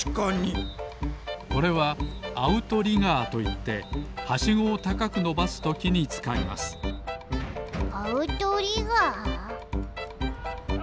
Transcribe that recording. これはアウトリガーといってはしごをたかくのばすときにつかいますアウトリガー？